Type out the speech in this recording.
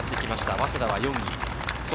早稲田は４位。